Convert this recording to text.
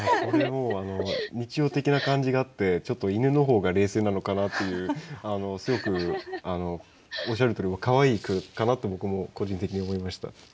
これもうあの日常的な感じがあってちょっと犬の方が冷静なのかなっていうすごくおっしゃるとおりかわいい句かなと僕も個人的に思いました。